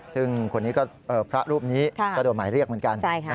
ซึ่งพระรูปนี้ก็โดนหมายเรียกเหมือนกัน